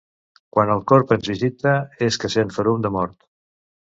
Quan el corb ens visita és que sent ferum de mort.